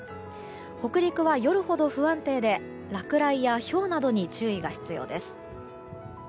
北陸は夜ほど不安定で落雷やひょうなどに注意が必要です。